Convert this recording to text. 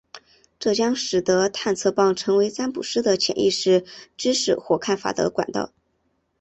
这将使得探测棒成为占卜师的潜意识知识或看法的管道。